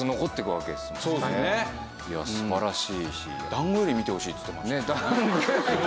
「団子より見てほしい」っつってましたもんね。